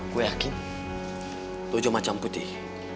gue yakin ujung macam putih